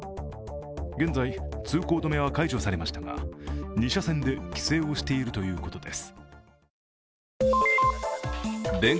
現在通行止めは解除されましたが、２車線で規制をしているということです。